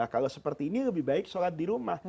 kalau seperti ini lebih baik sholat di rumah